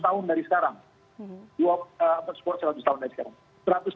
seratus tahun dari sekarang